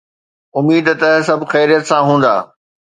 اميد ته سڀ خيريت سان هوندا.